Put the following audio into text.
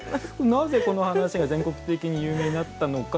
なぜ、この話が全国的に有名になったのか